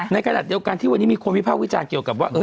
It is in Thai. ในขณะเดียวกันที่วันนี้มีคนวิภาควิจารณ์เกี่ยวกับว่า